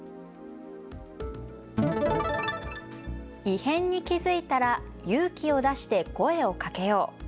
異変に気付いたら勇気を出して声をかけよう。